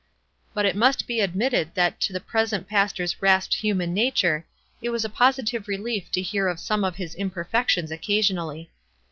But it must be admitted that to the present pastor's rasped human nature it was a positive relief to hear of some of his imperfec tions occasionally.